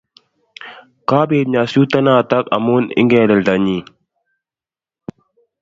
Kopit nyasutyonotok amun ingeleldo nyi.